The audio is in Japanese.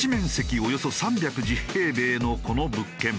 およそ３１０平米のこの物件。